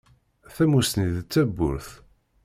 Tamussni d tawwurt.